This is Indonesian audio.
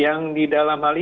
yang di dalam hal ini